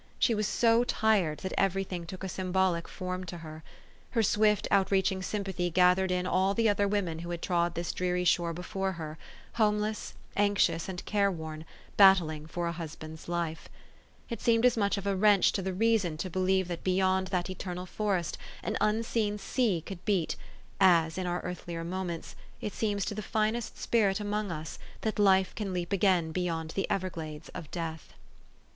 She was so tired, that every thing took a symbolic form to her. Her swift, outreach ing sympathy gathered in all the other women who had trod this dreary shore before her, homeless, anxious, and careworn, battling for a husband's life. THE STORY OF AVIS. 401 It seemed as much of a wrench to the reason to believe that beyond that eternal forest an unseen sea could beat, as, in our earthlier moments, it seems to the finest spirit among us, that life can leap again beyond the everglades of death.